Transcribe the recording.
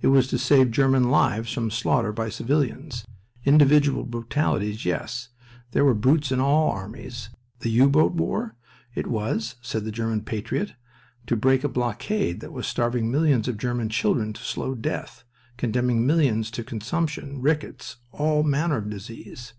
It was to save German lives from slaughter by civilians. Individual brutalities, yes. There were brutes in all armies. The U boat war? It was (said the German patriot) to break a blockade that was starving millions of German children to slow death, condemning millions to consumption, rickets, all manner of disease.